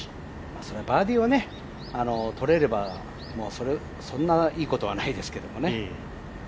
バーディーはとれればそんないいことはないですけどね。